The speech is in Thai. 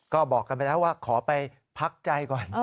ก็บอกกันไปแล้วว่าขอไปพักใจก่อน